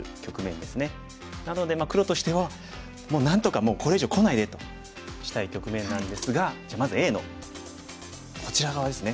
なので黒としてはもうなんとかこれ以上こないでとしたい局面なんですがじゃあまずＡのこちら側ですね。